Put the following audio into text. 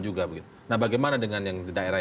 juga begitu nah bagaimana dengan yang di daerah